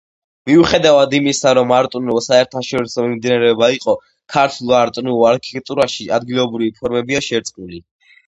მიუხედავად იმისა, რომ არტ-ნუვო საერთაშორისო მიმდინარეობა იყო, ქართულ არტ-ნუვო არქიტექტურაში ადგილობრივი ფორმებია შერწყმული.